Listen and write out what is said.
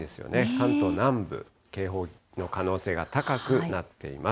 関東南部、警報の可能性が高くなっています。